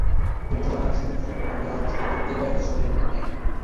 পেট্রোবাংলা বিষয়টি সম্পর্কে প্রাথমিক ধারণা স্পষ্ট করতে কয়েক বছর সময় নেয়।